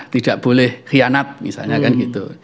tidak boleh hianat misalnya kan gitu